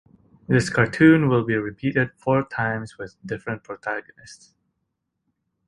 This cartoon will be repeated four times with different protagonists.